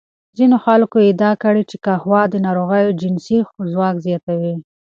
ځینو خلکو ادعا کړې چې قهوه د نارینوو جنسي ځواک زیاتوي.